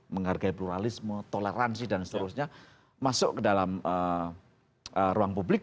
menghargai pluralisme toleransi dan seterusnya masuk ke dalam ruang publik